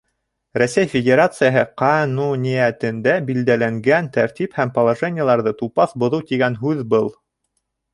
Рәсәй Федерацияһы ҡануниәтендә билдәләнгән тәртип һәм положениеларҙы тупаҫ боҙоу тигән һүҙ был.